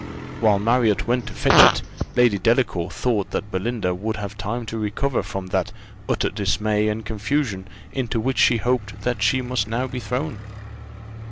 While Marriott went to fetch it, Lady Delacour thought that Belinda would have time to recover from that utter dismay and confusion into which she hoped that she must now be thrown.